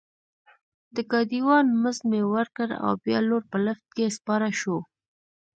د ګاډي وان مزد مې ورکړ او بیا لوړ په لفټ کې سپاره شوو.